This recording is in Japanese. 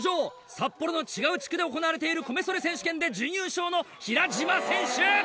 札幌の違う地区で行われている米そり選手権で準優勝の平島選手！